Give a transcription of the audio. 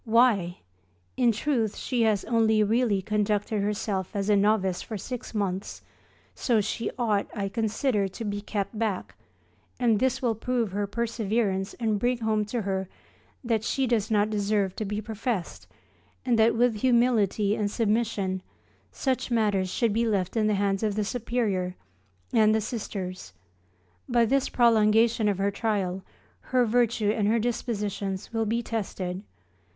Why! in truth she has only really conducted herself as a novice for six months, so she ought, I consider, to be kept back, and this will prove her perseverance and bring home to her that she does not deserve to be professed, and that with humility and submission, such matters should be left in the hands of the Superior, and the Sisters. By this prolongation of her trial, her virtue and her dispositions will be tested.